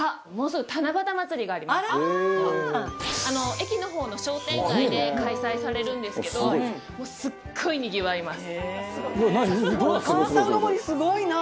駅の方の商店街で開催されるんですけどもうすごいにぎわいます。